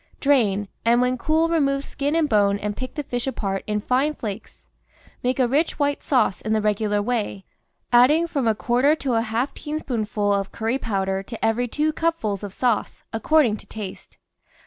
Drain, and when cool remove skin and bone and pick the fish apart in fine flakes. ^lake a rich white sauce in the regular way, adding from a quarter to a half teaspoonful of curry powder to every two cupfuls of sauce, according to taste.